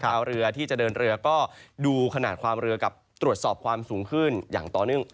ชาวเรือที่จะเดินเรือก็ดูขนาดความเรือกับตรวจสอบความสูงขึ้นอย่างต่อเนื่อง